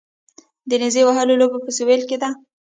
د نیزه وهلو لوبه په سویل کې ده